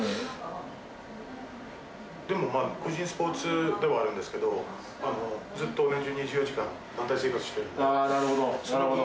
でも個人スポーツではあるんですけど、ずっと同じ２４時間、団体生活してるので。